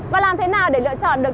và làm thế nào để lựa chọn được